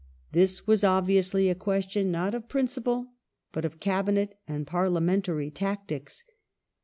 This was obvi ously a question not of principle, but of Cabinet and parliamentary tactics.